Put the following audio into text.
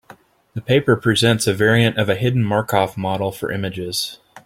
The paper presents a variant of a hidden Markov model for images.